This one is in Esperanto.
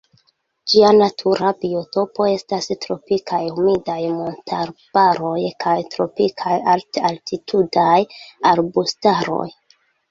Ĝia natura biotopo estas tropikaj humidaj montarbaroj kaj tropikaj alt-altitudaj arbustaroj.